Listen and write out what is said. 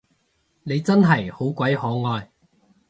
你真係好鬼可愛